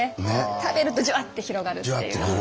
食べるとじゅわって広がるっていう。